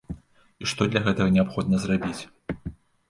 І што для гэтага неабходна зрабіць.